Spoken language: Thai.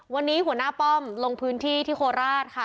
วันนี้หัวหน้าป้อมลงพื้นที่ที่โคราชค่ะ